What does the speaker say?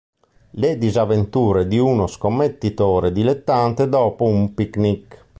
Le disavventure di uno scommettitore dilettante dopo un picnic.